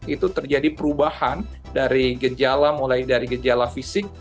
itu terjadi perubahan dari gejala mulai dari gejala fisik